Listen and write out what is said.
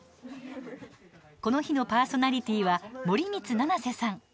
この日のパーソナリティーは森光七彩さん